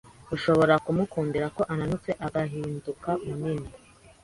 ushobora kumukundira ko ananutse agahinduka munini